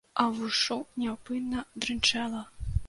А ўвушшу няўпынна дрынчэла.